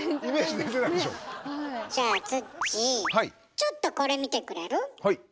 ちょっとこれ見てくれる？